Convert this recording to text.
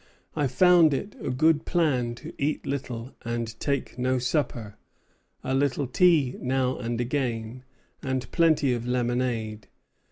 I found it a good plan to eat little and take no supper; a little tea now and then, and plenty of lemonade.